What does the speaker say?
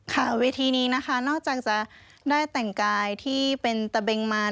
เวทีนี้นะคะนอกจากจะได้แต่งกายที่เป็นตะเบงมาร